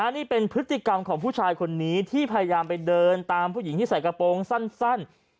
นี่เป็นพฤติกรรมของผู้ชายคนนี้ที่พยายามไปเดินตามผู้หญิงที่ใส่กระโปรงสั้น